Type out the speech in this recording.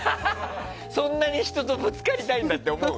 そんなに人とぶつかりたいんだって思う？